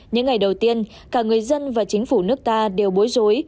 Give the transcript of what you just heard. những ngày đầu tiên cả người dân và chính phủ nước ta đều bối rối